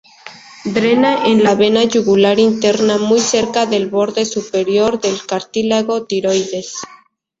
Drena en la vena yugular interna muy cerca del borde superior del cartílago tiroides.